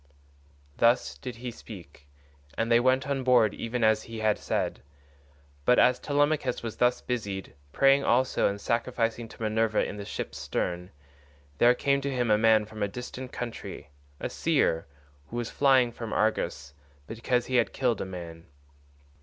Thus did he speak, and they went on board even as he had said. But as Telemachus was thus busied, praying also and sacrificing to Minerva in the ship's stern, there came to him a man from a distant country, a seer, who was flying from Argos because he had killed a man.